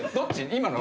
今の。